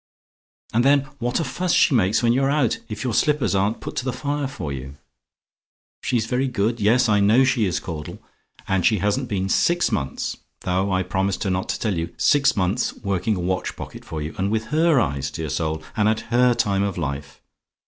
"And then, what a fuss she makes when you are out, if your slippers aren't put to the fire for you. "SHE'S VERY GOOD? "Yes, I know she is, Caudle. And hasn't she been six months though I promised her not to tell you six months working a watch pocket for you! And with HER eyes, dear soul and at HER time of life!